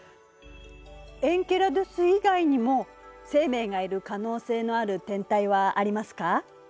エンケラドゥス以外にも生命がいる可能性のある天体はありますか？